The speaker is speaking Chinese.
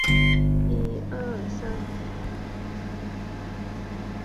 这些争论随后发展为台湾乡土文学论战。